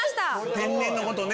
天然のことね。